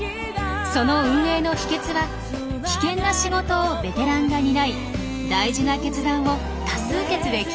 その運営の秘けつは危険な仕事をベテランが担い大事な決断を多数決で決めること。